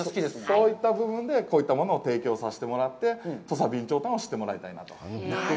そういった部分で、こういったものを提供させてもらって、土佐備長炭を知ってもらいたいなと。